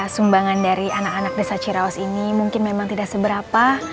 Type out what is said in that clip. sumbangan dari anak anak desa cirawas ini mungkin memang tidak seberapa